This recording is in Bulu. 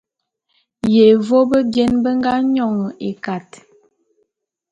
Yévô bebien be nga nyon ékat.